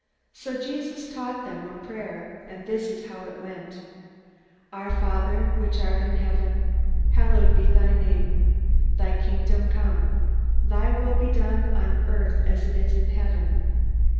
So Jesus taught them a prayer, and this is how it went: "Our Father, which art in heaven, hallowed be thy name. Thy kingdom come. Thy will be done on earth as it is in heaven.